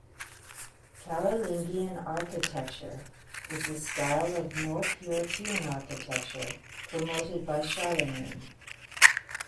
Carolingian architecture is the style of North European architecture promoted by Charlemagne.